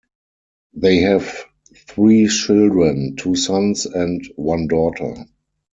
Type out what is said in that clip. They have three children; two sons and one daughter.